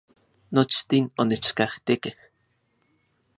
Nochtin onechkajtekej